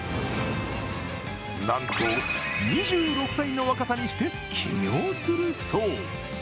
なんと、２６歳の若さにして起業するそう。